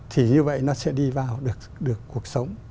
thì như vậy nó sẽ đi vào được cuộc sống